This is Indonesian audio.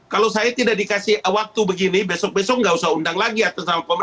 kalau saya tidak dikasih waktu begini besok besok nggak usah undang lagi atas nama pemerintah